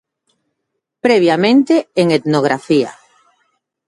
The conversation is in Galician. Previamente, en Etnografía.